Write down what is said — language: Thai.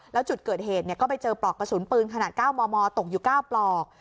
แล้วจุดเกิดเหตุก็ไปเจอปลอกกระสุนปืนขนาด๙มมตกอยู่๙ปลอก